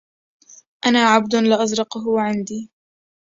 أنا عبد لأزرق هو عندي